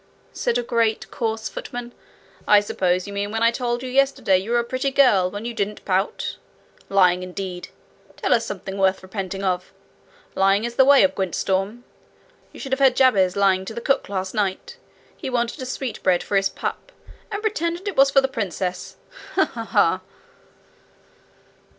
said a great, coarse footman. 'I suppose you mean when I told you yesterday you were a pretty girl when you didn't pout? Lying, indeed! Tell us something worth repenting of! Lying is the way of Gwyntystorm. You should have heard Jabez lying to the cook last night! He wanted a sweetbread for his pup, and pretended it was for the princess! Ha! ha! ha!'